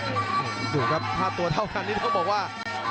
โอ้โหดูครับค่าตัวเท่ากันนี่ต้องบอกว่า